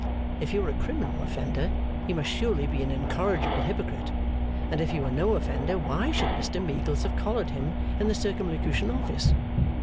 If he were a criminal offender, he must surely be an incorrigible hypocrite; and if he were no offender, why should Mr Meagles have collared him in the Circumlocution Office?